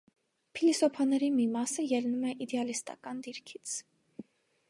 Փիլիսոփաների մի մասը ելնում է իդեալիստական դիրքից։